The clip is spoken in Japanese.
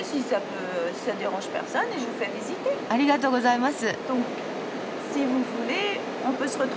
ありがとうございます！